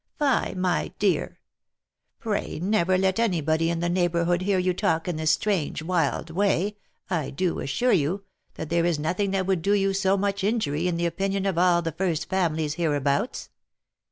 Fie ! my dear ! Pray never let any body in the neighbourhood hear you talk in this strange wild way, I do assure you, that there is nothing that would do you so much injury in the opinion of all the first families hereabouts.